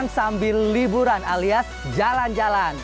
sambil liburan alias jalan jalan